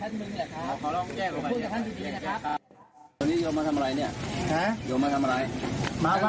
ดีมากค่ะ